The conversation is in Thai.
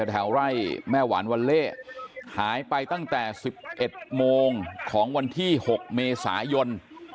แถวไร่แม่หวานวัลเล่หายไปตั้งแต่๑๑โมงของวันที่๖เมษายน